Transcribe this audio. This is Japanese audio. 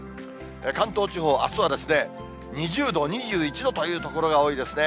関東地方、あすは２０度、２１度という所が多いですね。